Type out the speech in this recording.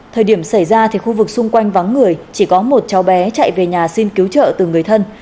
thời điểm xảy ra thì khu vực xung quanh vắng người chỉ có một cháu bé chạy về nhà xin cứu trợ từ người thân